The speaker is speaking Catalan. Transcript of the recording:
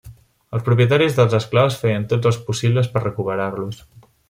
Els propietaris dels esclaus feien tots els possibles per recuperar-los.